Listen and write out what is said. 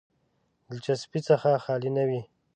دلچسپۍ څخه خالي نه وي.